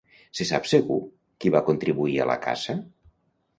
Se sap segur qui va contribuir a la caça?